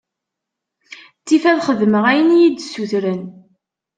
Ttif ad xedmeɣ ayen iyi-d-ssutren.